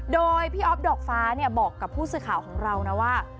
โดยพี่อ๊อฟดอกฟ้าบอกกับผู้สื่อข่าวของเรานะว่า